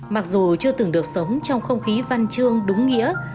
mặc dù chưa từng được sống trong không khí văn chương đúng nghĩa